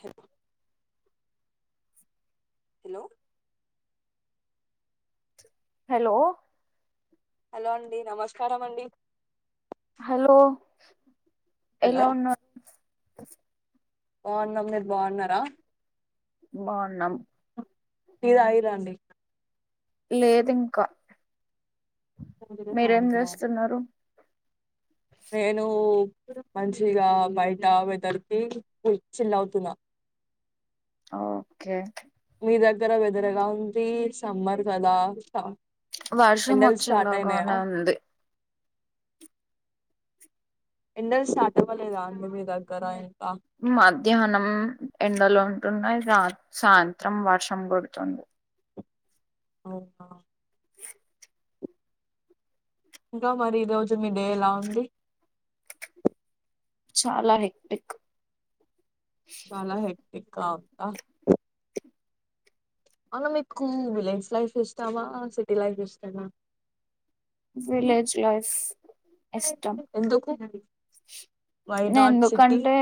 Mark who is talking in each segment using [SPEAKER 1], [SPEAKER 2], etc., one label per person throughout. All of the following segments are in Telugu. [SPEAKER 1] హలో హలో
[SPEAKER 2] హలో
[SPEAKER 1] హలో అండి నమస్కారం అండి
[SPEAKER 2] హలో ఎలా ఉనర్
[SPEAKER 1] బాఉన్నం మీరు బాఉంన్నారా
[SPEAKER 2] బాహున్నం
[SPEAKER 1] ఇది అయిదండి
[SPEAKER 2] లేదింక మీరేం
[SPEAKER 1] అవునా,
[SPEAKER 2] చేస్తున్నారు
[SPEAKER 1] నేను మంచిగా బయట వెదర్ కి చిల్ల్ అవుతున్న
[SPEAKER 2] అ ఓకే
[SPEAKER 1] మీ దగ్గర వెదర్ ఎలా ఉంది సమ్మర్ కదా
[SPEAKER 2] వర్షం
[SPEAKER 1] ఎండలు స్టార్ట్ అయినాయా
[SPEAKER 2] వచ్చేలాగానే ఉంది
[SPEAKER 1] ఎండల్ స్టార్ట్ అవ్వలేదా అండి మీ దగ్గర
[SPEAKER 2] మధ్యాహ్నం ఎండలో ఉన్నాయి గా సాయంత్రం వర్షం పడుతుంది
[SPEAKER 1] అవున ఇంకా మరి ఈరోజు మీ డే ఎలా ఉంది
[SPEAKER 2] చాలా హెక్టిక్
[SPEAKER 1] చాలా హేక్ క్టిక్ ఆహ్ అవును మికు విలేజ్ లైఫ్ ఇష్టమా సిటీ లైఫ్ ఇష్టమా
[SPEAKER 2] విలేజ్ లైఫ్ ఇష్టం
[SPEAKER 1] ఎందుకు వై నాట్
[SPEAKER 2] నేందుకు
[SPEAKER 1] సిటీ
[SPEAKER 2] అంటె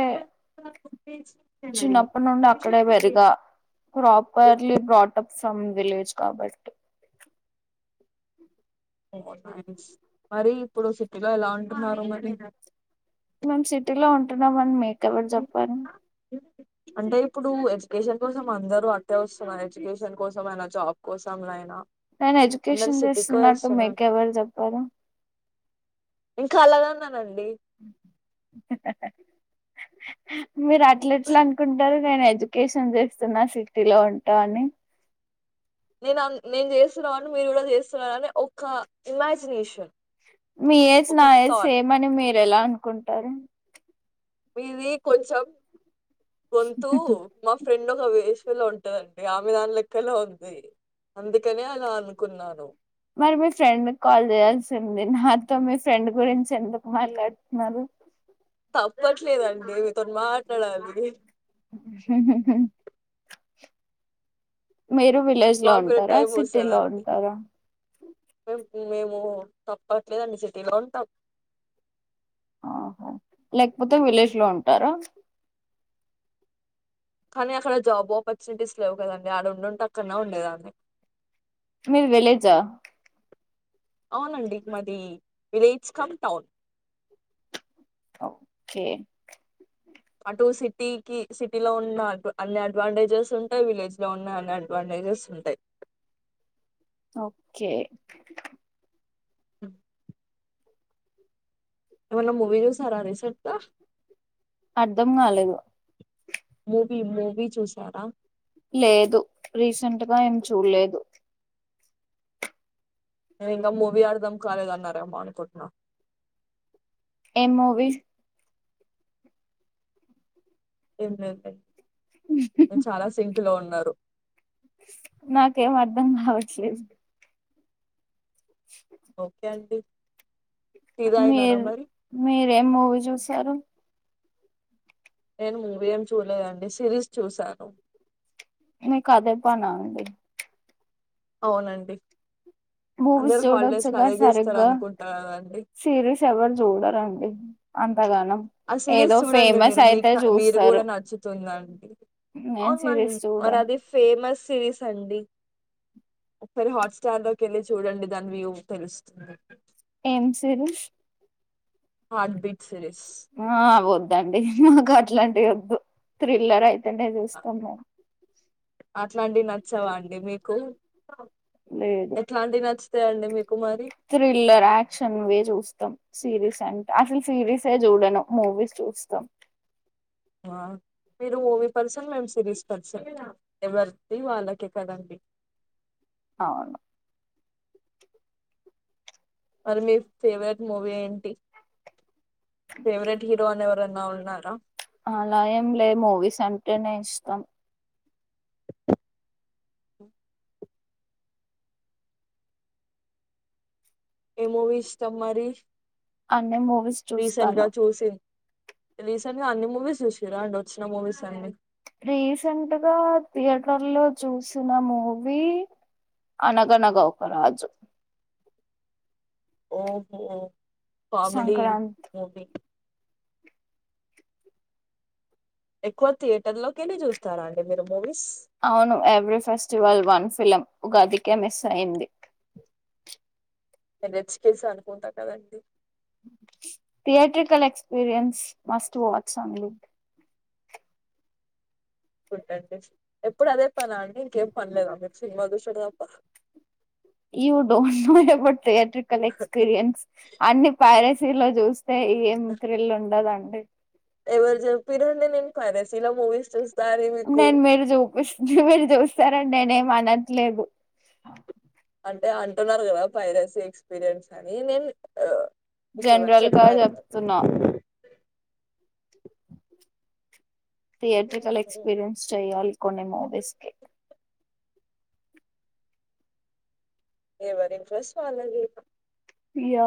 [SPEAKER 1] మరి
[SPEAKER 2] చిన్నప్పటి నుండి అక్కడే పెరిగ ప్రాపర్లీ బ్రాట్అప్ సమ్ విలేజ్ కాబట్టి
[SPEAKER 1] మరి ఇప్పుడు సిటీలో ఎలా ఉంటున్నారు మరి
[SPEAKER 2] మేం సిటీ లో ఉంటున్నాం అని మీ ఎవరు చెప్పారు
[SPEAKER 1] అంటే ఇప్పుడు ఎడ్యుకేషన్ కోసం అందరు అట్టే వస్తున్నారు ఎడ్యుకేషన్ కోసం అయినా జాబ్ కోసం అయినా
[SPEAKER 2] నేను
[SPEAKER 1] అందరు
[SPEAKER 2] ఎడ్యుకేషన్
[SPEAKER 1] సిటీకే
[SPEAKER 2] చేస్తున్నట్టు మిక్ ఎవర్ చెప్పారు
[SPEAKER 1] ఇంక అలా
[SPEAKER 2] మీరు అట్ల ఎట్లా అనుకుంటారు నేను ఎడ్యుకేషన్ చేస్తున్నా సిటీలో ఉంటా అని
[SPEAKER 1] నేను ఆహ్ నేను చేస్తున్న అని మీరు కూడా చేస్తున్నారు అనే ఒక ఇమాజినేషన్
[SPEAKER 2] మీ ఏజ్
[SPEAKER 1] ఒక
[SPEAKER 2] నా ఏజ్
[SPEAKER 1] థాట్
[SPEAKER 2] సేమ్ అని మీ ఎలా అనుకుంటారు
[SPEAKER 1] మీది కొంచెం గొంతు మా ఫ్రె రం ఒక వేషవిలో ఉంటదండి ఆమె దాని లెక్కలా ఉంది అందుకనే అలా అనుకున్నాను
[SPEAKER 2] మరి మీ ఫ్రెండ్ కాల్ చేయాల్సింది నాతో మీ ఫ్రెండ్ గురించి ఎందుకు మాట్లాడుతున్నారు
[SPEAKER 1] తప్పట్లేదండి మీతో మాట్లాడాలి
[SPEAKER 2] మీరు విలేజ్ లో
[SPEAKER 1] మాకు కూడా
[SPEAKER 2] ఉంటారా
[SPEAKER 1] టైం
[SPEAKER 2] సిటీ లో
[SPEAKER 1] వస్తదండి.
[SPEAKER 2] ఉంటరా
[SPEAKER 1] మేం మేము తప్పట్లేదండి సిటీలో ఉంటాం
[SPEAKER 2] ఆహో లేకపోతే విలేజ్ లో ఉంటారా
[SPEAKER 1] కానీ అక్కడ జాబ్ ఆపర్చునిటీస్ లేవు కదండి ఆడ ఉండుంటే అక్కడా ఉండేదాన్ని
[SPEAKER 2] మీరు వెలేజా
[SPEAKER 1] అనండి మది విలేజ్ కమ్ టౌన్
[SPEAKER 2] ఓకే
[SPEAKER 1] అటు సిటీకి సిటీలో ఉన్న అన్ని అడ్వాంటేజెస్ ఉంటాయి విలేజ్ లో ఉన్న అన్ని అడ్వాంటేజెస్ ఉంటాయి
[SPEAKER 2] ఓకే
[SPEAKER 1] ఉమ్ మల మూవీలో సారా రసట్త
[SPEAKER 2] అర్ధం కాలేదు
[SPEAKER 1] మూవీ మూవీ చూసారా
[SPEAKER 2] లేదు రీసెంట్గా ఏం చూడలేదు
[SPEAKER 1] నేను ఇంకా మూవీ ఆడదాం కాలేదన్నార మానికోట్న
[SPEAKER 2] ఏ మూవీస్
[SPEAKER 1] ఎ లేయి చాలా శంకు లో ఉన్నారు
[SPEAKER 2] నాక ఏం అర్థం నా వట్లే
[SPEAKER 1] ఓకే అండి టీ తాగినారా
[SPEAKER 2] మీరు
[SPEAKER 1] మరి
[SPEAKER 2] మీరేం మూవీ చూసారు
[SPEAKER 1] నేను మూవీ ఏం చూలేదండి సిరీస్ చూశాను
[SPEAKER 2] మీకు అదే పనా అండి
[SPEAKER 1] అవునండి
[SPEAKER 2] మూవీస్
[SPEAKER 1] అందరు హాలిడేస్ లో
[SPEAKER 2] చూడొచ్చుగా
[SPEAKER 1] అదే చేస్తారు
[SPEAKER 2] సరిగ్గా
[SPEAKER 1] అనుకుంటా కదండి
[SPEAKER 2] సిరీస్ ఎవరు చూడరండి అం
[SPEAKER 1] ఆ సిరీస్ చూడండి మీరు
[SPEAKER 2] అయితే
[SPEAKER 1] మీకు మీరు
[SPEAKER 2] చూస్తారు
[SPEAKER 1] కూడా నచ్చుతుందండి
[SPEAKER 2] నేను
[SPEAKER 1] అవును మ
[SPEAKER 2] సిరీస్
[SPEAKER 1] మరి
[SPEAKER 2] చూడను
[SPEAKER 1] అదే ఫేమస్ సిరీస్ అండి ఒకసారి హాట్స్టార్ లోకి వెళ్ళి చూడండి దాని వ్యూ తెలుస్తుంది
[SPEAKER 2] ఏం సిరీస్
[SPEAKER 1] హార్ట్ బీట్ సిరీస్
[SPEAKER 2] ఆబోద్ వద్దండి మాకు అట్లాంటివి వద్దు థ్రిల్లర్ అయితేనే చూస్తాం మేము
[SPEAKER 1] అట్లాంటివి నచ్చవా అండి మీకు
[SPEAKER 2] లేదు
[SPEAKER 1] ఎట్లాంటివి నచ్చుతాయండి మీకు మరి
[SPEAKER 2] థ్రిల్లర్ యాక్షన్ ఇవే చూస్తాం అసలు సిరీసే చూడను మూవీస్ చూస్తాం
[SPEAKER 1] మీరు ఊవీ పర్సన్ మేము సిరీస్ పర్సన్ ఎవరిది వాళ్ళకే కదండి
[SPEAKER 2] అవును
[SPEAKER 1] మరి మీ ఫేవరెట్ మూవీ ఏంటి ఫెవరెట్ హీరో అ [unintelligible] ఉన్నారా
[SPEAKER 2] అలా ఏం లే మూవీస్ అంటేనే ఇష్టం
[SPEAKER 1] ఏ మూవీ ఇస్తాం మరి
[SPEAKER 2] అనే మూవీస్
[SPEAKER 1] రీసెంట్ గా
[SPEAKER 2] చూస్తాను
[SPEAKER 1] చూసి రీసెంట్ గా అన్ని మూవీస్ చూసిారా అండి వచ్చిన మూవీస్ అన్ని
[SPEAKER 2] రీసెంట్గా థియేటర్ లో చూసిన మూవీ అనగనగా కరాజు
[SPEAKER 1] ఓహోఓ కామెడి
[SPEAKER 2] సంక్రాంతి
[SPEAKER 1] మూవి ఎక్కువ థియేటర్ లోకి వెలీ చూస్తారా అండి మీరు మూవీస్
[SPEAKER 2] అవును ఎవ్రీ ఫెస్టివల్ వన్ ఫిలం ఒక ఉగాదికి మిస్ అయింది
[SPEAKER 1] నేను రెచ్చికేసి అనుకుంటా కదండి
[SPEAKER 2] థియట్రికల్ ఎక్స్పీరియన్స్ మస్ట్ వచ్ సంగ్
[SPEAKER 1] ఉంటండి ఎప్పుడు అదే పన అండి ఇంకేం పనిలేదా మీరు సినిమా చూసాడు తప్ప
[SPEAKER 2] I don't know but theatrical experience అన్ని ప్యారె శేలా జోస్ ఏం త్రిల్ ఉండదండి
[SPEAKER 1] ఎవరిజ పిరడి నేను ఫైస ఇలా మూవీస్ చ
[SPEAKER 2] నేను మీరు చూపి మీరు చూస్తారండి నేనే ఏంఆన్ అంతేలే
[SPEAKER 1] అంటే అంటున్నారు కదా పైరసీ ఎక్స్పీరియన్స్ అని నేను మీకేమన్నా
[SPEAKER 2] జనరల్ గా
[SPEAKER 1] చెప్పారు
[SPEAKER 2] చెప్తున్నా థియేట్రికల్ ఎక్స్పీరియన్స్ చేయాలి కొన్ని మూవీస్ కి
[SPEAKER 1] ఎవరి ఇ ఫ్రస్ట్ వలలేద
[SPEAKER 2] యా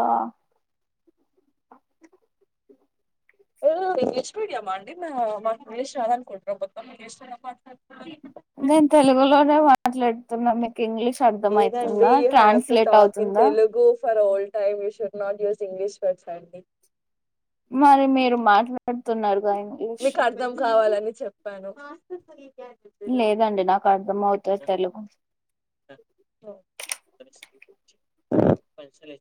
[SPEAKER 1] ఇంగ్లీష్ మీడియయం అండి ఇంగ్లీష్షద అకుంట్రొమ్ ఇంగ్లీష్ మీడి మాట్లా
[SPEAKER 2] నేను తెలుగులోనే మాట్లాడ న్న ఇంగ్లీష్ అర్ధం
[SPEAKER 1] లేదండి
[SPEAKER 2] అయితుందా
[SPEAKER 1] you have to
[SPEAKER 2] translate
[SPEAKER 1] talk in
[SPEAKER 2] అవుతుందా
[SPEAKER 1] Telugu for old time you should not use English words అండి
[SPEAKER 2] మరి మేరు మాట్ పడుతున్నారుగా ఇంగ్లీష్
[SPEAKER 1] అ చెప్పాను
[SPEAKER 2] లేదండి నాకు అర్థం అవుతది తెలుగు
[SPEAKER 1] పలే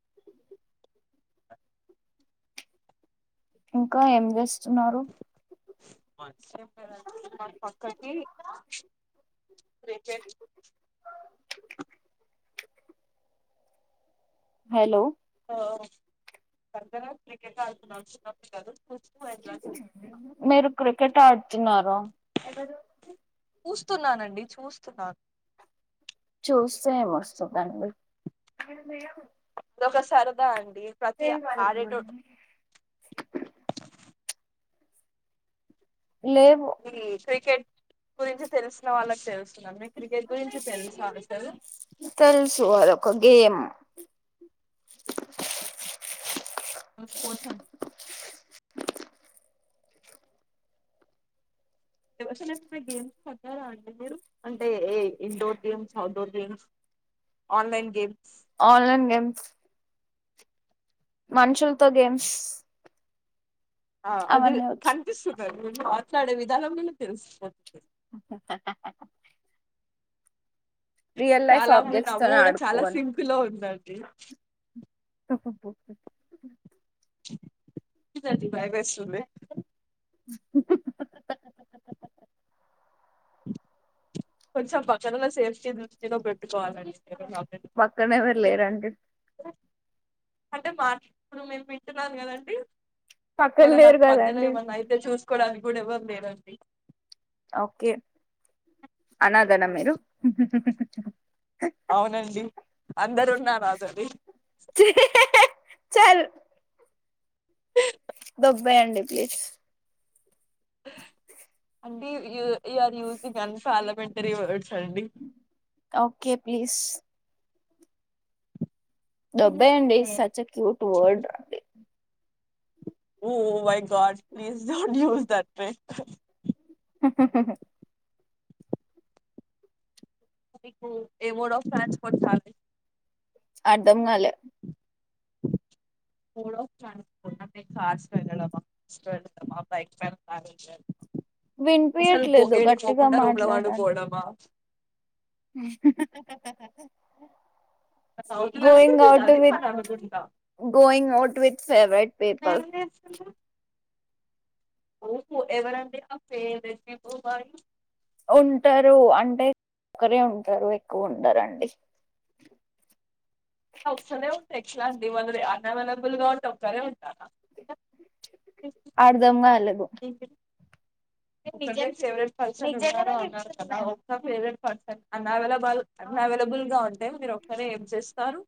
[SPEAKER 2] ఇంకా ఏం చేస్తు
[SPEAKER 1] మ పక్కకి క్రికెట్
[SPEAKER 2] హలో
[SPEAKER 1] పక్కన క్రికెట్ ఆడుతున్నారు చిన్న పిల్లలు
[SPEAKER 2] మీరు క్రికెట్ ఆడుతున్నారుారా ఎవరు
[SPEAKER 1] చూస్తున్నానండి చూస్తున్నాను
[SPEAKER 2] చూస్తేం వస్తుందండి
[SPEAKER 1] అద ఒకక సరదా అండి ప్రతి ఆరెడ
[SPEAKER 2] లేవు
[SPEAKER 1] మ్ క్రికెట్ గురించి తెలిసిన వాళ్ళకి తెలుసు
[SPEAKER 2] తెలుసు ఆది ఒక గేమ్
[SPEAKER 1] స్పోర్ట్స్ అనుకునా ఎవ [unintelligible] గేమ్స్ పగారా అండి మీరు అంటే indoor games outdoor games online games
[SPEAKER 2] online games మనుషులతో గేమ్స్
[SPEAKER 1] ఆ అది
[SPEAKER 2] అవన్నీ వచ్చు
[SPEAKER 1] కనిపిస్తు మాట్లాడే విధానం లోనే తెలిసిపో
[SPEAKER 2] రియల్ లైఫ్
[SPEAKER 1] చాలా మీ
[SPEAKER 2] ఆబ్జెక్ట్స్
[SPEAKER 1] నవ్వు
[SPEAKER 2] తోనే
[SPEAKER 1] కూడా చాలా
[SPEAKER 2] ఆడుకోవాలి
[SPEAKER 1] సింకు లో ఉండండి ఇ
[SPEAKER 2] తప్పం పో
[SPEAKER 1] ద భయం ఎస్తుంది కొంచెం పక్కనల సేఫ్టీ దృష్టిలో పెట్టుకోవాలండి
[SPEAKER 2] పక్కన ఎవరు లేరండి
[SPEAKER 1] అంటే మార్చప్పుడు మేము వింటున్నాం కదండి
[SPEAKER 2] పక్కన
[SPEAKER 1] మళ్ళ
[SPEAKER 2] లేరు
[SPEAKER 1] నాకు మధ్యలో
[SPEAKER 2] కదండి
[SPEAKER 1] ఏమన్నా అయితే చూసుకోవడానికి ఇక్కడ ఎవరు లేరండి
[SPEAKER 2] ఓకే అనాదనా మీరు
[SPEAKER 1] అవునండి అందరు ఉన్నార
[SPEAKER 2] చల్ దొబ్బెయండి ప్లీజ్
[SPEAKER 1] అండి you are using on parliamentary word
[SPEAKER 2] okay please దొబెయ్ అండి సచ్ ఎ క్యూట్ వర్డ్ అండి
[SPEAKER 1] oh my god please don't use that ర్రే మీకు ఏమోర్ ఆఫ్ ఫ్రాన్స్ పంచాలి
[SPEAKER 2] అర్దం కాలె
[SPEAKER 1] మీదే ఆఫ్ ట్రాన్స్పోర్ట్ కార్స్ వెళ్ళడమా మేనేజర్
[SPEAKER 2] వినిపయట్లేదు గట్టిగా
[SPEAKER 1] రూమ్ లో
[SPEAKER 2] మాట్లాడాం
[SPEAKER 1] పండుకోవడమా అవుతున్నారండి
[SPEAKER 2] గోయింగ్
[SPEAKER 1] మీరు
[SPEAKER 2] ఔట్
[SPEAKER 1] అది
[SPEAKER 2] విత్
[SPEAKER 1] పని అనుకుంటా
[SPEAKER 2] going out with favourite people
[SPEAKER 1] ఓ పో ఎవరండి ఆ ఫేవరెట్ పీపుల్
[SPEAKER 2] ఉంటారు అంటే ఒకరే ఉంటారు ఎక్కువ ఉంటారండి
[SPEAKER 1] వస్తానే ఉన్టై ఇట్లాంటివన్నీ అన్వైలబుల్ గా ఉంటె ఒక్కరే ఉంటారా
[SPEAKER 2] అర్ధంగాలేదు
[SPEAKER 1] నిక్ ఎవరో ఫేవరేట్ ఉనారు కథ ఫేవరేట్ న్ అవైలబుల్ అన్ అవైలబుల్ గా ఉంటే మీరు ఒక్కరే ఏం చేస్తారు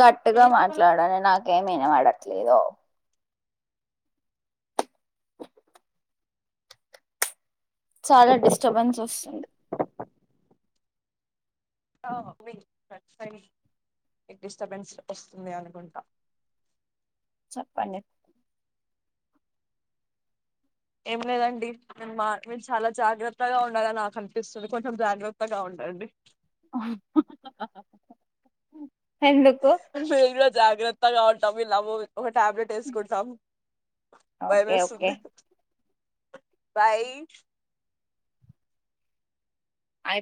[SPEAKER 2] గట్టిగా మాట్లాడరా నాకు ఏమినపడట్లేదు చాలా డిస్టర్బెన్స్ వస్తుంది
[SPEAKER 1] డిస్టర్బెన్స్ వస్తుంది అనుకుంటా
[SPEAKER 2] చెప్పండి
[SPEAKER 1] ఏం లేదండి మా మీరు చాలా జాగ్రత్తగా ఉండాలని నాకు అనిపిస్తుంది కొంచెం జాగ్రత్తగా ఉండండి
[SPEAKER 2] ఎందుకు
[SPEAKER 1] మేము కూడా జాగ్రత్తగా అడ్త విలవు ఒక టాబ్లెట్ వేసుకుంటం
[SPEAKER 2] ఓకే ఓకే
[SPEAKER 1] భయమేస్తుంది. బాయ్
[SPEAKER 2] అయి